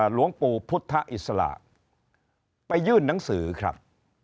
หลวงปู่พุทธอิสระไปยื่นหนังสือครับ